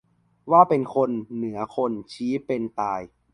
ว่าเป็นคน เหนือคน ชี้เป็น-ตาย